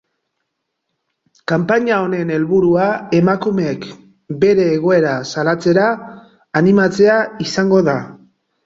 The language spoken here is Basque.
Kanpaina honen helburua emakumeek bere egoera salatzera animatzea izango da.